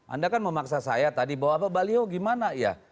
anda kan memaksa saya tadi bawa apa baliho gimana ya